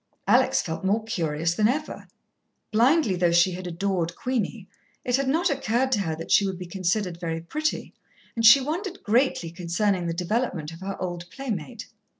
Alex felt more curious than ever. Blindly though she had adored Queenie, it had not occurred to her that she would be considered very pretty, and she wondered greatly concerning the development of her old playmate.